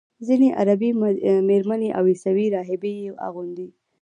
ځینې عربي میرمنې او عیسوي راهبې یې اغوندي.